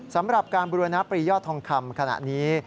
สำหรับการบุรณปรียอดทองคำขณะนี้